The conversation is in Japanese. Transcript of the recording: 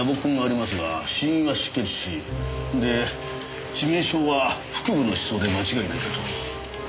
で致命傷は腹部の刺創で間違いないかと。